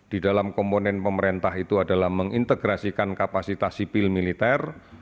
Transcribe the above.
di dalam komponen pemerintah itu adalah mengintegrasikan kapasitas sipil militer